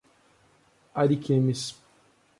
Ariquemes